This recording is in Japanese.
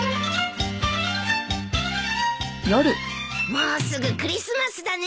もうすぐクリスマスだね。